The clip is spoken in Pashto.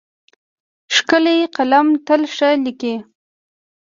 ښکلی قلم تل ښه لیکي.